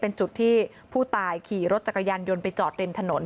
เป็นจุดที่ผู้ตายขี่รถจักรยานยนต์ไปจอดริมถนน